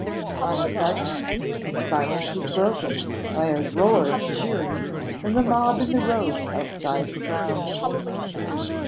On a sudden, the silence was broken by a roar of cheering from the mob in the road outside the grounds.